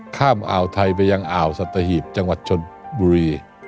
อ่าวไทยไปยังอ่าวสัตหีบจังหวัดชนบุรี